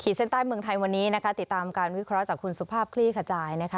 เส้นใต้เมืองไทยวันนี้นะคะติดตามการวิเคราะห์จากคุณสุภาพคลี่ขจายนะคะ